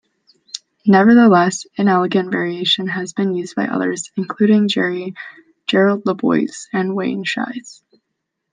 Nevertheless, "inelegant variation" has been used by others, including Gerald Lebovits and Wayne Schiess.